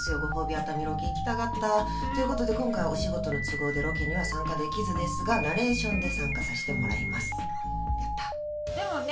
熱海ロケ行きたかったということで今回お仕事の都合でロケには参加できずですがナレーションで参加させてもらいますやったでもね